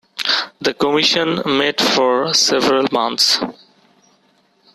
The commission met for several months.